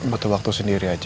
betul waktu sendiri aja